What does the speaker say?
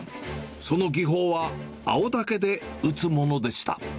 その技法は青竹で打つものでした。